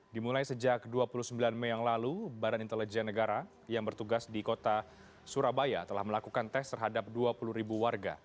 dimulai sejak dua puluh sembilan mei yang lalu badan intelijen negara yang bertugas di kota surabaya telah melakukan tes terhadap dua puluh ribu warga